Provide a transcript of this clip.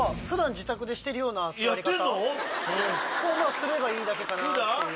すればいいだけかなぁっていう。